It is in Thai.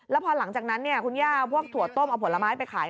แล้วพอหลังจากนั้นคุณย่าพวกถั่วต้มเอาผลไม้ไปขาย